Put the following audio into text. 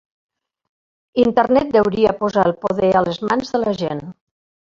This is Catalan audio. Internet deuria posar el poder a les mans de la gent